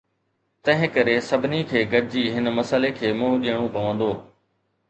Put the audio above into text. تنهنڪري سڀني کي گڏجي هن مسئلي کي منهن ڏيڻو پوندو.